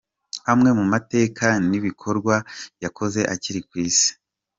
Amwe mu mateka n’ibikorwa yakoze akiri ku isi.